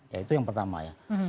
ya itu yang pertama ya